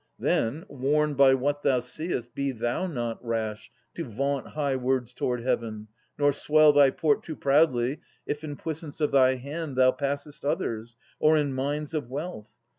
Then, warned by what thou seest, be thou not rash To vaunt high words toward Heaven, nor swell thy port Too proudly, if in puissance of thy hand Thou passest others, or in mines of wealth.